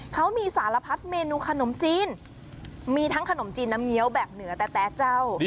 เขามีสารพัดเมนูขนมจีนมีทั้งขนมจีนน้ำเงี้ยวแบบเหนือแต๊ะเจ้า